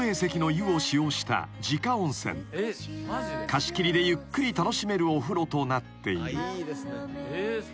［貸し切りでゆっくり楽しめるお風呂となっている］